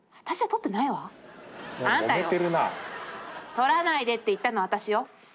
「取らないでって言ったのはあたしよ！」。